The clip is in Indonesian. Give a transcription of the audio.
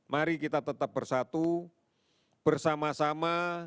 mari kita tetap bersatu bersama sama